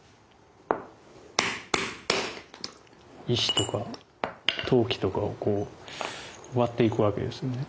石とか陶器とかを割っていく訳ですね。